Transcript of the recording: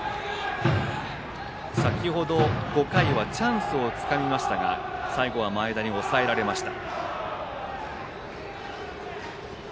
先程５回はチャンスをつかみましたが最後は前田に抑えられました。